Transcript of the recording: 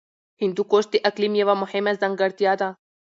هندوکش د اقلیم یوه مهمه ځانګړتیا ده.